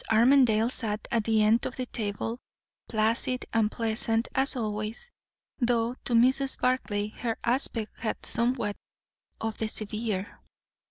Armadale sat at the end of the table; placid and pleasant as always, though to Mrs. Barclay her aspect had somewhat of the severe.